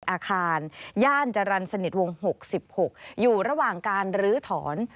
อาคารย่านจรรย์สนิทวง๖๖อยู่ระหว่างการลื้อถอน